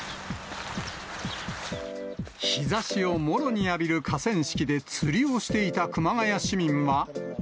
日ざしをもろに浴びる河川敷で釣りをしていた熊谷市民は。